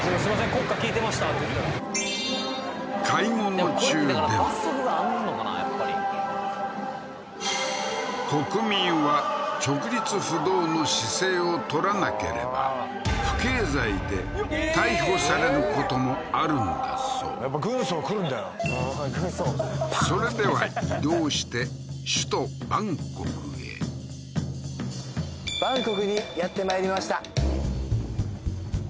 国歌聴いてましたって言ったら買い物中でも国民は直立不動の姿勢を取らなければ不敬罪で逮捕されることもあるんだそうやっぱ軍曹来るんだよ軍曹それでは移動してバンコクにやってまいりました